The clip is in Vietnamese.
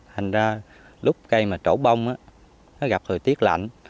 thành ra lúc cây mà trổ bông gặp thời tiết lạnh